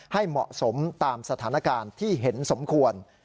ให้เหมาะสมตามสถานการณ์ที่เห็นสมควร